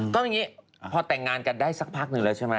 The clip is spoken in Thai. ก็อย่างนี้พอแต่งงานกันได้สักพักหนึ่งแล้วใช่ไหม